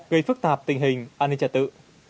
gây phức tạp tình hình an ninh trật tự